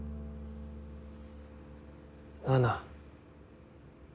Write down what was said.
奈々。